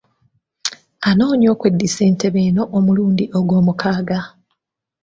Anoonya okweddiza entebe eno omulundi ogw'omukaaga.